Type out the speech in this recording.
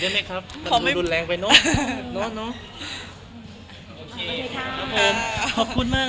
เรียกงานไปเรียบร้อยแล้ว